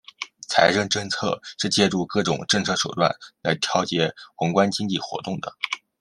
财政政策是借助各种政策手段来调节宏观经济活动的。